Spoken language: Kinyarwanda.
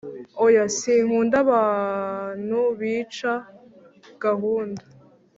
oya sinkunda abanu bica gahunda